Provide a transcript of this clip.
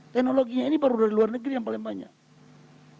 teknologinya ini baru dari luar negeri yang paling banyak